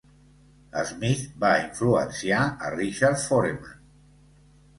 Smith va influenciar a Richard Foreman.